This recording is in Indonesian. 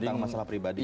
tentang masalah pribadi